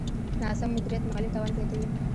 ناسم مدیریت مالي تاوان زیاتوي.